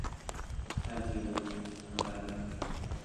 Adiaŭ, kamaradoj!